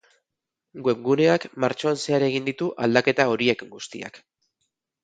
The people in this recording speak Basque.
Webguneak martxoan zehar egin ditu aldaketa horiek guztiak.